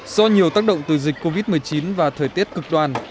do nhiều tác động từ dịch covid một mươi chín và thời tiết cực đoan